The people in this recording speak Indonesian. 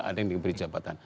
ada yang diberi jabatan